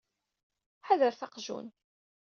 Ḥadret aqjun!